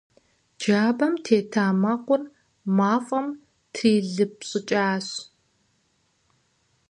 Джабэм тета мэкъур мафӀэм трилыпщӀыкӀащ.